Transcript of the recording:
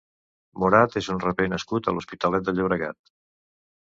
Morad és un raper nascut a l'Hospitalet de Llobregat.